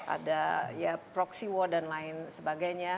ada ya proxy war dan lain sebagainya